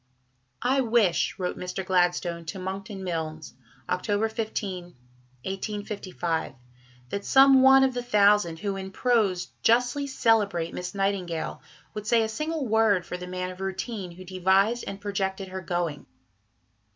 "I wish," wrote Mr. Gladstone to Monckton Milnes (Oct. 15, 1855), "that some one of the thousand who in prose justly celebrate Miss Nightingale would say a single word for the man of 'routine' who devised and projected her going."